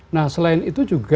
nah selain itu juga